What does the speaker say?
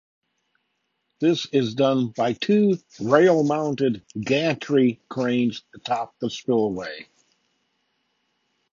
This is done by two rail-mounted gantry cranes atop the spillway.